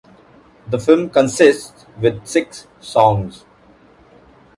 The film consists with six songs.